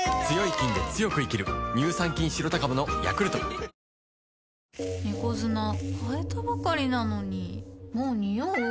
１抗菌猫砂替えたばかりなのにもうニオう？